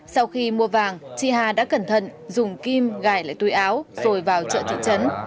sau khi mua vàng chị hà đã cẩn thận dùng kim gải lại túi áo rồi vào chợ thị trấn